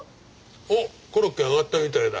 おっコロッケ揚がったみたいだ。